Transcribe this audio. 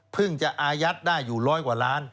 จะอายัดได้อยู่ร้อยกว่าล้าน